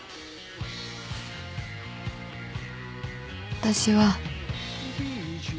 私は。